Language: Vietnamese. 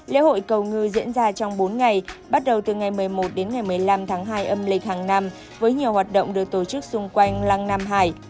lễ hội cầu ngư diễn ra trong bốn ngày bắt đầu từ ngày một mươi một đến ngày một mươi năm tháng hai âm lịch hàng năm với nhiều hoạt động được tổ chức xung quanh lăng nam hải